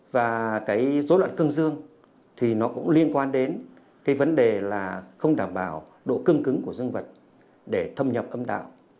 và cái dối loạn cương dương thì nó cũng liên quan đến cái vấn đề là không đảm bảo độ cương cứng của dương vật để thâm nhập âm đạo